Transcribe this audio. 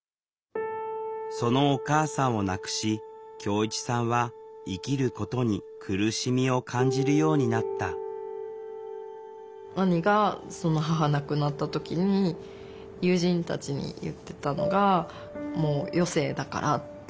そのお母さんを亡くし恭一さんは生きることに苦しみを感じるようになった兄がその母亡くなった時に友人たちに言ってたのが「もう余生だから」って。